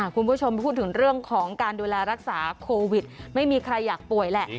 คุณผู้ชมพูดถึงเรื่องของการดูแลรักษาโควิดไม่มีใครอยากป่วยแหละ